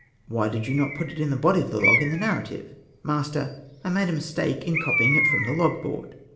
Why did you not put it in the body of the log in the narrative ?" Mastee. —"/ made a mistake ! in copying it from the log board